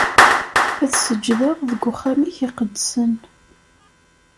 Ad seǧǧdeɣ deg uxxam-ik iqedsen.